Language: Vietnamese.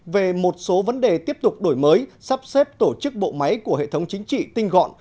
về một số vấn đề tiếp tục đổi mới sắp xếp tổ chức bộ máy của hệ thống chính trị tinh gọn